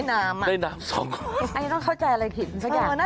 น่าจะเป็นความเข้าใจผิดกันเนาะ